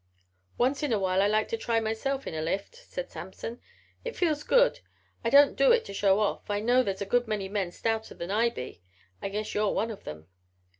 "Once in a while I like to try myself in a lift," said Samson. "It feels good. I don't do it to show off. I know there's a good many men stouter than I be. I guess you're one of 'em."